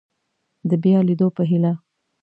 د بیا لیدو په هیله